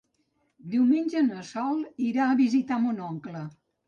Diumenge na Sol irà a visitar mon oncle.